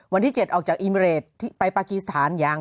วันที่เจ็ดออกจากอิมิเรตต์ไปปาร์กีสถานต์ยัง